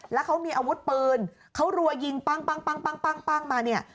แล้วเขามีอาวุธปืนเขารัวยิงปั้งมาเนี่ย